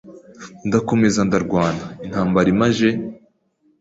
ndakomeza ndarwana, intambara imaje